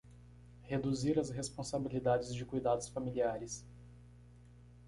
Reduzir as responsabilidades de cuidados familiares